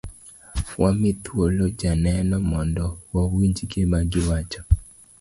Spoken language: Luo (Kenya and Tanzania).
Wami thuolo joneneo mondo wawinj gima giwacho.